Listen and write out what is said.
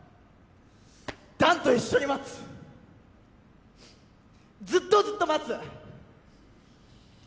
弾と一緒に待つずっとずっと待つ！